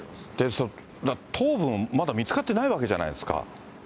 その頭部も、まだ見つかってないわけじゃないですか。